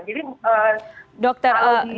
jadi kalau di luar negeri mungkin